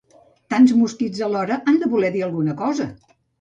Tants mosquits alhora han de voler dir alguna cosa.